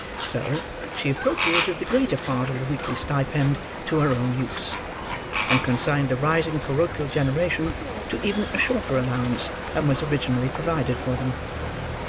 So, she appropriated the greater part of the weekly stipend to her own use, and consigned the rising parochial generation to even a shorter allowance than was originally provided for them.